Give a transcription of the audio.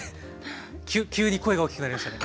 急に声が大きくなりましたね。